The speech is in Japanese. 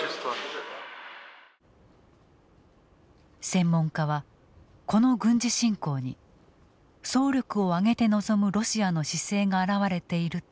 専門家はこの軍事侵攻に総力を挙げて臨むロシアの姿勢が表れていると分析している。